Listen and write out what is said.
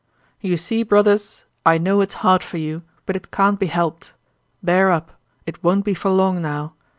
"You see, brothers, I know it's hard for you, but it can't be helped! Bear up; it won't be for long now!